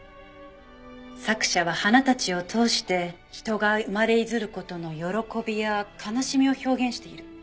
作者は花たちを通して人が生まれ出づる事の喜びや悲しみを表現している。